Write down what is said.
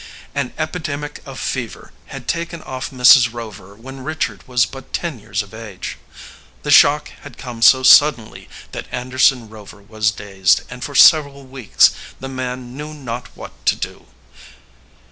An epidemic of fever had taken off Mrs. Rover when Richard was but ten years of age. The shock had come so suddenly that Anderson Rover was dazed, and for several weeks the man knew not what to do.